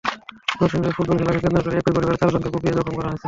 নরসিংদীতে ফুটবল খেলাকে কেন্দ্র করে একই পরিবারের চারজনকে কুপিয়ে জখম করা হয়েছে।